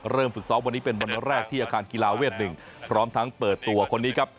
ฝึกซ้อมวันนี้เป็นวันแรกที่อาคารกีฬาเวท๑พร้อมทั้งเปิดตัวคนนี้ครับ